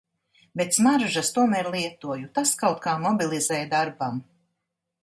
Bet smaržas tomēr lietoju - tas kaut kā mobilizē darbam.